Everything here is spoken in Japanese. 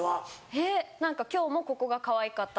えっ何か今日もここがかわいかったとか。